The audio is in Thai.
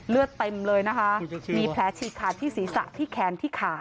เต็มเลยนะคะมีแผลฉีกขาดที่ศีรษะที่แขนที่ขา